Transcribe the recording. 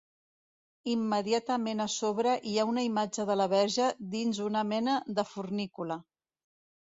Immediatament a sobre hi ha una imatge de la Verge dins una mena de fornícula.